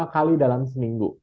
kali dalam seminggu